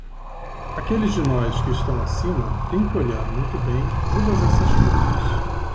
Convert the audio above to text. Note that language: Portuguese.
Aqueles de nós que estão acima têm que olhar muito bem todas essas coisas.